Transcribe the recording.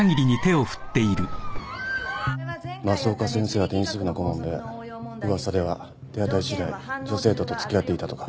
増岡先生はテニス部の顧問で噂では手当たり次第女生徒と付き合っていたとか。